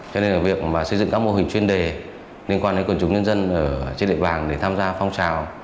cho nên là việc xây dựng các mô hình chuyên đề liên quan đến quần chúng nhân dân ở trên đệ bàng để tham gia phong trào